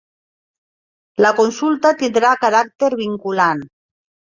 La consulta tindrà caràcter vinculant